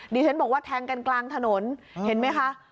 ดิฉันบอกว่าแทงกันกลางถนนเห็นไหมคะ